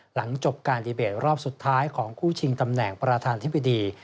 หลังจบการดีเบตรอบสุดท้ายของคู่ชิงตำแหน่งประธานธิบดี